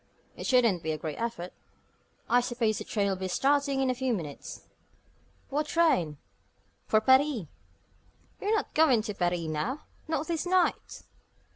It shouldn't be a great effort. I suppose the train will be starting in a few minutes?" "What train?" "For Paris." "You're not going to Paris now not this night?"